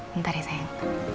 bentar ya sayang